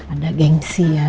ada gengsi ya